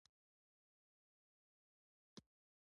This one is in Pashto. هو، له موږ وړاندې روان شوي، خبر نه یم.